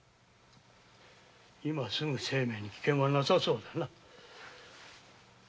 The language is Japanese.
今すぐ生命に危険はなさそうだな。